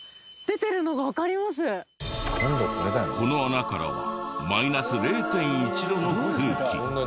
この穴からはマイナス０．１度の空気。